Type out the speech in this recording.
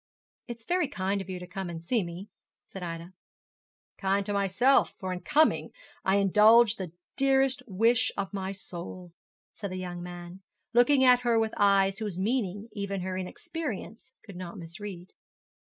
'It was very kind of you to come to see me,' said Ida. 'Kind to myself, for in coming I indulged the dearest wish of my soul,' said the young man, looking at her with eyes whose meaning even her inexperience could not misread.